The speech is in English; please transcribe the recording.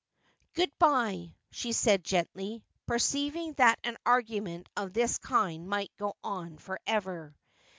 ' Good bye,' she said gently, perceiving that an argument of this kind might go on for ever.